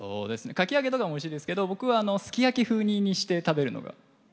かき揚げとかもおいしいですけどすき焼き風煮にして食べるのが。